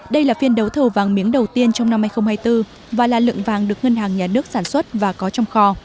đây là phiên đấu thầu vàng miếng đầu tiên trong năm hai nghìn hai mươi bốn và là lượng vàng được ngân hàng nhà nước sản xuất và có trong kho